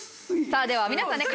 さあでは皆さんね